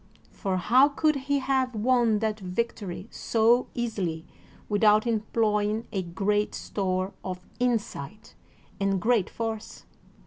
For how could he have won that victory so easily without employing a great store of insight and great force?